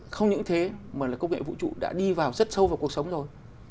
không những thế mà là công nghệ vũ trụ đã đi vào rất sâu vào cuộc sống rồi